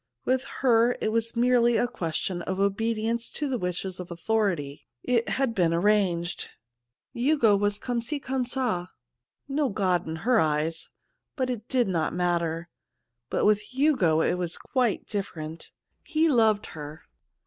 With her it was merely a question of obedience to the wishes of authority ; it had been arranged ; 4. ; THE MOON SLAVE Hugo was comme ci, comme qa — no god in her eyes ; it did not matter. But with Hugo it was quite different — he loved her.